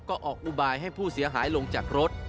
ก็ออกอุบายให้ผู้เสียหายลงจากรถ